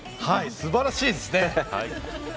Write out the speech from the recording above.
素晴らしいですね。